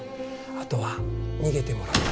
あとは逃げてもらって。